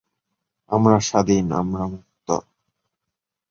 পাঞ্জাবের তৎকালীন আর্থ-সামাজিক ও অর্থনৈতিক পরিবর্তনও এই উপন্যাসে বর্ণিত হয়েছে।